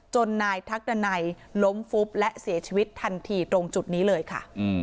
นายทักดันัยล้มฟุบและเสียชีวิตทันทีตรงจุดนี้เลยค่ะ